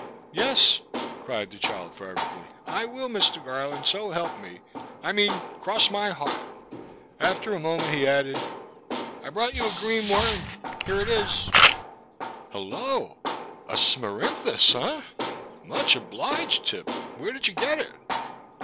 " Yes," cried the child fervently, " I will, Mr. Garland, so help me — I mean, cross my heart !" After a moment he added, " I — I brought you a green worm — ^here it is "" Hello ! A Smerinthus, eh ? Much obliged, Tip ; where did you get it